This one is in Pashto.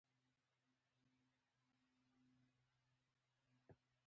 هغه افکار چې زموږ د ذهن په واک کې دي.